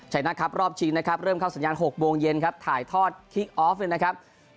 นะครับรอบชิงนะครับเริ่มเข้าสัญญาณ๖โมงเย็นครับถ่ายทอดคิกออฟเลยนะครับ